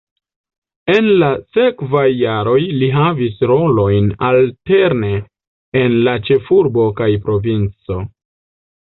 En la sekvaj jaroj li havis rolojn alterne en la ĉefurbo kaj provinco.